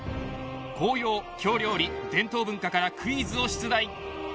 紅葉、京料理、伝統文化からクイズを出題。